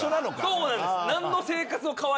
そうなんです。